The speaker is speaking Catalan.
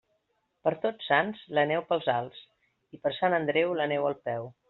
Per Tots Sants la neu pels alts, i per Sant Andreu la neu al peu.